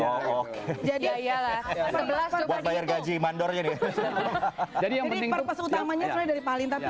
jadi iyalah perbelas perubahan gaji mandor jadi yang berikutnya utamanya dari paling tapi